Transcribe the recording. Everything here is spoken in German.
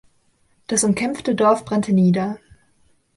Das umkämpfte Dorf brannte nieder.